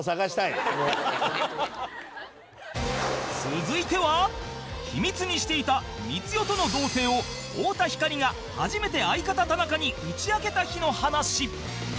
続いては秘密にしていた光代との同棲を太田光が初めて相方田中に打ち明けた日の話